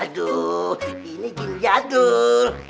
aduh ini jin jadul